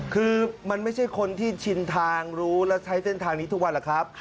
คือมันไม่ใช่คนที่ชินทางรู้และใช้เส้นทางนี้ทุกวันแหละครับ